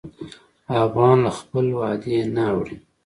افغان له خپل وعدې نه اوړي.